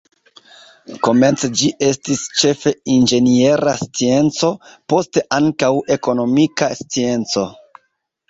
Komence ĝi estis ĉefe inĝeniera scienco, poste ankaŭ ekonomika scienco.